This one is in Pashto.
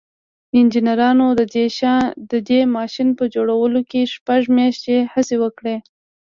انجنيرانو د دې ماشين په جوړولو کې شپږ مياشتې هڅې وکړې.